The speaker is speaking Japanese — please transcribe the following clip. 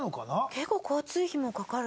結構交通費もかかるね。